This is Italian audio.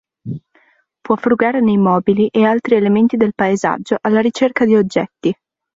Può frugare nei mobili e altri elementi del paesaggio alla ricerca di oggetti.